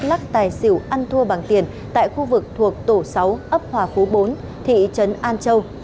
lắc tài xỉu ăn thua bằng tiền tại khu vực thuộc tổ sáu ấp hòa phú bốn thị trấn an châu